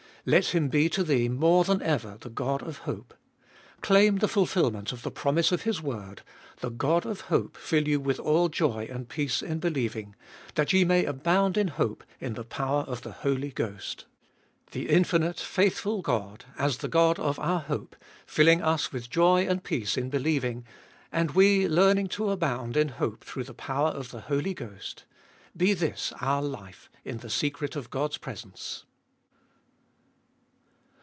Let Him be to thee more than ever the God of hope. Claim the fulfil ment of the promise of His word : The God of hope fill you with all joy and peace in believing, that ye may abound in hope, in the power of the Holy Ghost. The infinite faithful God, as the God of our hope, filling us with joy and peace in believing, and we learning to abound in hope through the power of the Holy Ghost : Be this our life in the secret of God's presence